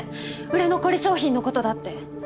売れ残り商品のことだって。